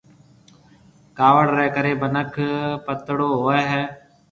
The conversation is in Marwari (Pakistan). ڪاوڙ ريَ ڪريَ مِنک پترو هوئي هيَ۔